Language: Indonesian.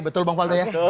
betul bang faldo ya